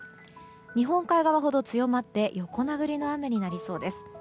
日本海側ほど強まって横殴りの雨になりそうです。